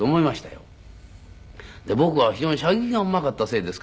で僕は非常に射撃がうまかったせいですかね